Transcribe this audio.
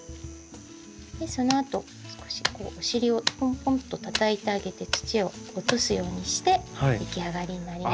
でそのあと少しこうお尻をポンポンとたたいてあげて土を落とすようにして出来上がりになります。